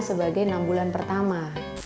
sebagai nambulan pertama